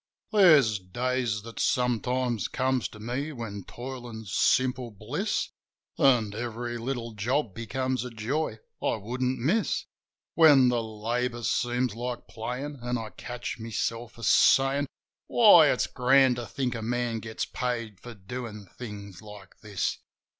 There's days that sometimes come to me when toilin's simple bliss, An' every little job becomes ia joy I wouldn't miss: When the labour seems like playin', an' I catch myself a sayin', "Why, it's grand to think a man gets paid for doin' things like this!"